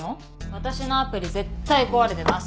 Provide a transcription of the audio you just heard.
私のアプリ絶対壊れてます。